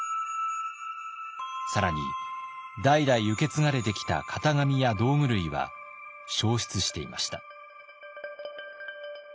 更に代々受け継がれてきた型紙や道具類は焼失していました。